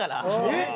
えっ！